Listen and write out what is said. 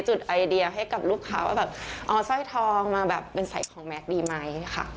จุดไอเดียให้กับลูกค้าว่าเอาสายทองมาเป็นสายของแมสดีไหมค่ะ